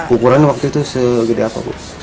ukurannya waktu itu segede apa bu